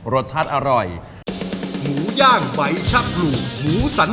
รสชาติอร่อย